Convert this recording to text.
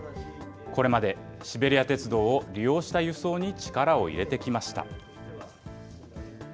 これまでシベリア鉄道を利用した輸送に力を入れてきました。